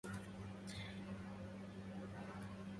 تفاحة في رأس سنبويه